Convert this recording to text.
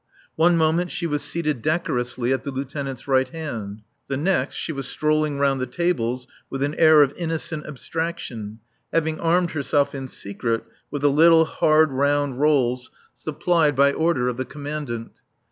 One moment she was seated decorously at the Lieutenant's right hand; the next she was strolling round the tables with an air of innocent abstraction, having armed herself in secret with the little hard round rolls supplied by order of the Commandant.